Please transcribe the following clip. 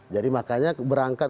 jadi makanya berangkat